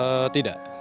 saya tidak setuju